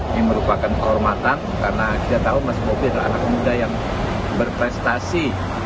ini merupakan kehormatan karena kita tahu mas bobi adalah anak muda yang berprestasi